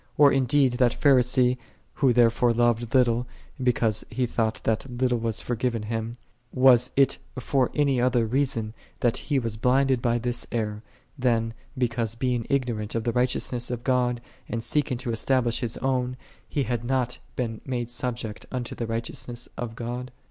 Or indeed that Phari i see," who therefore loved little, because he j thought that little was forgiven him, was it for any other reason that he was blinded by this error, than because being ignorant of the righteousness of God, and seeking to estab lish his own, he had not been made subject unto the righteousness of God